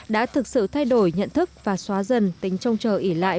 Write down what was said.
đã thực sự thay đổi nhận thức và xóa dần tính trông chờ ỉ lại